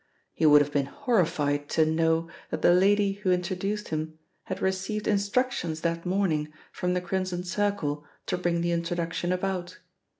He would have been horrified to know that the lady who introduced him had received instructions that morning from the Crimson Circle to bring the introduction about.